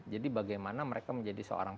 jadi bagaimana mereka menjadi seorang